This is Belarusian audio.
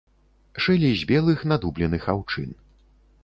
Шылі з белых надубленых аўчын.